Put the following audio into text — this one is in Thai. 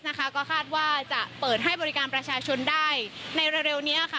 นะคะก็คาดว่าจะเปิดให้บริการประชาชนได้ในเร็วนี้ค่ะ